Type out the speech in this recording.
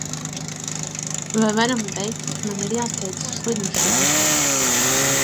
Vai varam beigt, man ir jāsteidzas uz lidmašīnu?